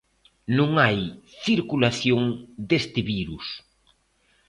Non hai circulación deste virus.